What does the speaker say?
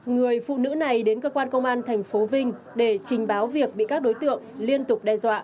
người phụ nữ này đến cơ quan công an tp vinh để trình báo việc bị các đối tượng liên tục đe dọa